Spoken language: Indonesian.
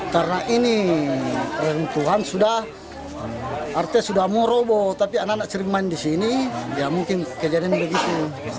karena ini tuhan sudah artinya sudah mau robo tapi anak anak cerima di sini ya mungkin kejadiannya begitu